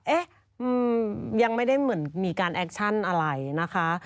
เอ๊ะยังไม่ได้เหมือนมีการแอคชั่นอะไรนะคะ